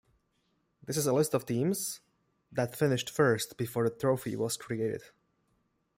This is a list of teams that finished first before the trophy was created.